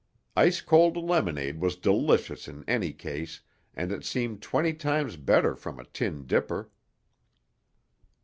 Ice cold lemonade was delicious in any case and it seemed twenty times better from a tin dipper.